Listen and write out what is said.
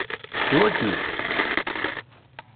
D waki?